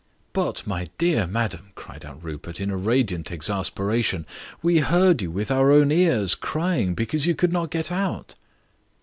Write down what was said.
"But, my dear madam," cried out Rupert, in a radiant exasperation, "we heard you with our own ears crying because you could not get out."